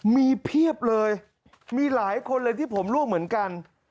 มีเพียบเลยมีหลายคนเลยที่ผมร่วมเหมือนกัน